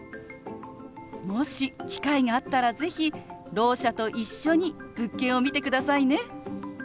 もし機会があったら是非ろう者と一緒に物件を見てくださいね。